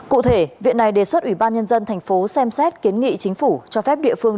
cụ thể viện này đề xuất ubnd tp xem xét kiến nghị chính phủ cho phép địa phương